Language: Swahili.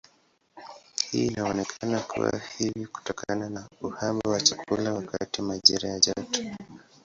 Hii inaonekana kuwa hivi kutokana na uhaba wa chakula wakati wa majira ya joto.